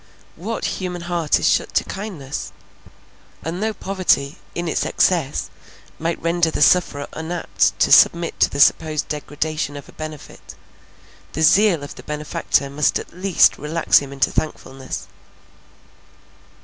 What human heart is shut to kindness? and though poverty, in its excess, might render the sufferer unapt to submit to the supposed degradation of a benefit, the zeal of the benefactor must at last relax him into thankfulness.